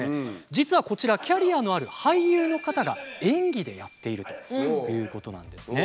実はこちらキャリアのある俳優の方が演技でやっているということなんですね。